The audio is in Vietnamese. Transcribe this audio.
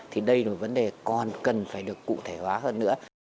thì đây là vấn đề còn cần phải được cụ thể hóa hơn nữa